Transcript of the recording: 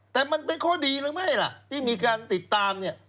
แต่มันเป็นข้อดีหรือไม่ล่ะที่มีการติดตามเนี่ย